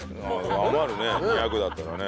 余るね２００だったらね。